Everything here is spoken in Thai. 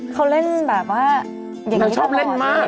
เขาเล่นแบบว่าอย่างนี้ต้องหมดเลยอ่ะนางชอบเล่นมาก